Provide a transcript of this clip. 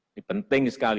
ini penting sekali